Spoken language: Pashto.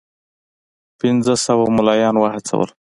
پنځه سوه مُلایان وهڅول.